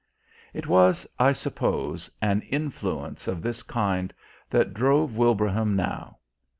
It was, I suppose, an influence of this kind that drove Wilbraham now.